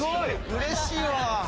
うれしいわ。